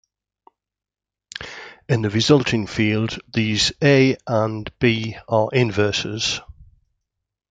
In the resulting field, these "a" and "b" are inverses.